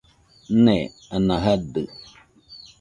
Nee, ana jadɨ